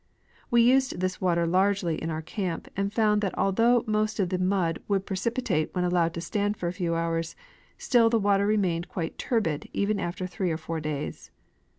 We used this water largely in our camp, and found that although most of the mud would precipi tate when allowed to stand for a few hours, still the water re mained quite turbid even after three or four days.